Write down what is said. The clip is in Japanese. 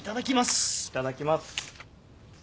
いただきます。